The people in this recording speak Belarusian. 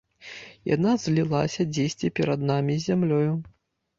Яна злілася дзесьці перад намі з зямлёю.